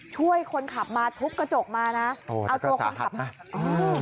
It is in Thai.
ช่วยคนขับมาทุบกระจกมานะเอาตัวคนขับมาอ่า